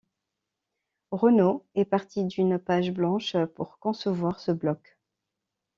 Renault est parti d'une page blanche pour concevoir ce bloc.